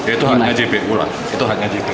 itu haknya jpu lah itu hanya jpu